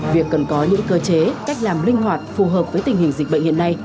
việc cần có những cơ chế cách làm linh hoạt phù hợp với tình hình dịch bệnh hiện nay